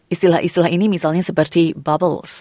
istilah istilah ini misalnya seperti bubbles